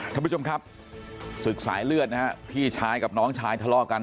ท่านผู้ชมครับศึกสายเลือดนะฮะพี่ชายกับน้องชายทะเลาะกัน